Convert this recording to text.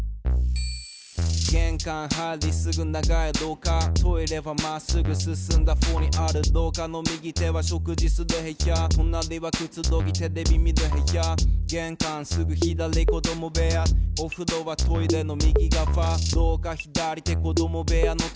「げんかん入りすぐ長いろう下」「トイレはまっすぐ進んだほうにある」「ろう下の右手は食事する部屋」「となりはくつろぎテレビ見る部屋」「げんかんすぐ左子ども部屋」「おふろはトイレの右がわ」「ろう下左手子ども部屋のとなり」